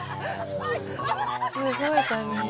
すごいタイミング。